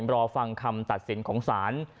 รอฟังคำตัดสินของศาล